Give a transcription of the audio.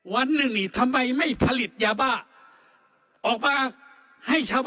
วันหนึ่งนี่ทำไมไม่ผลิตยาบ้าออกมาให้ชาวบ้าน